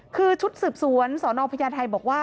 คือชุดสืบสวนสนพญาไทยบอกว่า